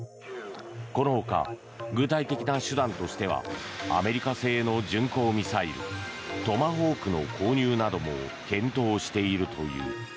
このほか、具体的な手段としてはアメリカ製の巡航ミサイルトマホークの購入なども検討しているという。